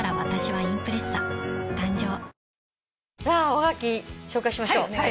おはがき紹介しましょう。